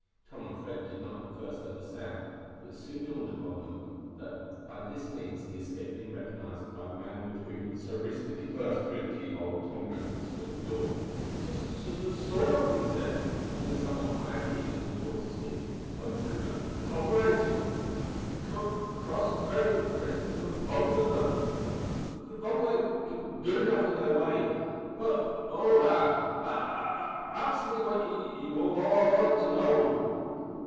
Tom and Fred did not at first understand, though it soon dawned upon them that by this means he escaped being recognised by the man with whom he had so recently conversed through the keyhole of Tom Brixton's prison door. "S s s sor," said he, in a somewhat higher key than he was wont to speak, "my c c comrades are c c cross g grained critters b both of 'em, th th though they're g good enough in their way, for all that. A a ax me what ye w w want to know."